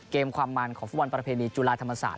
ความมันของฟุตบอลประเพณีจุฬาธรรมศาสต